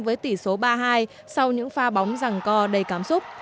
với tỷ số ba hai sau những pha bóng rẳng co đầy cảm xúc